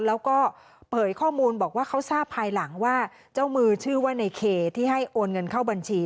แล้วก็เผยข้อมูลบอกว่าเขาทราบภายหลังว่าเจ้ามือชื่อว่าในเคที่ให้โอนเงินเข้าบัญชี